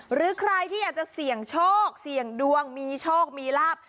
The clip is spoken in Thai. หรือใครที่อยากจะเสี่ยงโชคเสี่ยงดวงมีโชคมีลาบ